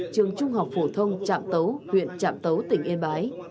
trường trung học phổ thông trạm tấu huyện trạm tấu tỉnh yên bái